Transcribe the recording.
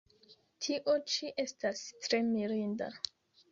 Tio ĉi estas tre mirinda!